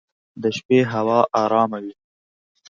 د شپې هوا ارامه وي.